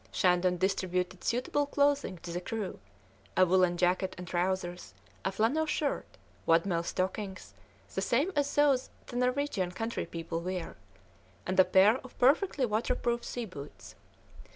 Shandon distributed suitable clothing to the crew, a woollen jacket and trousers, a flannel shirt, wadmel stockings, the same as those the Norwegian country people wear, and a pair of perfectly waterproof sea boots.